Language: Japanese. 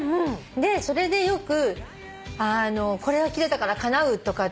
それでよく「これは切れたからかなう」とか。